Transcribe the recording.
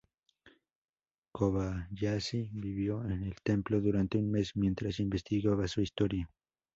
Kobayashi vivió en el templo durante un mes mientras investigaba su historia.